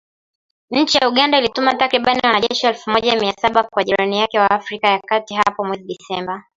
Nchi ya Uganda ilituma takribani wanajeshi elfu moja mia saba kwa jirani yake wa Afrika ya kati hapo mwezi Disemba.